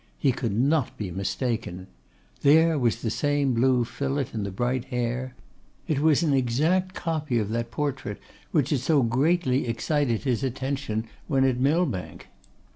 He could not be mistaken. There was the same blue fillet in the bright hair. It was an exact copy of that portrait which had so greatly excited his attention when at Millbank!